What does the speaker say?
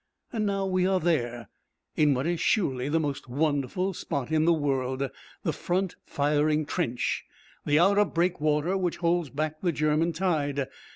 And now we are there in what is surely the most wonderful spot in the world, the front firing trench, the outer breakwater which holds back the German tide.